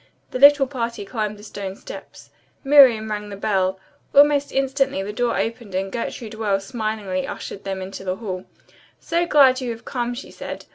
The little party climbed the stone steps. Miriam rang the bell. Almost instantly the door opened and Gertrude Wells smilingly ushered them into the hall. "So glad you have come," she said.